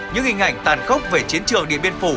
những hình ảnh tàn khốc về chiến trường điện biên phủ